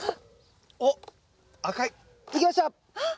おっ赤い。いきました！